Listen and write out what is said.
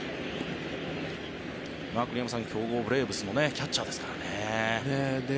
栗山さん、強豪ブレーブスのキャッチャーですからね。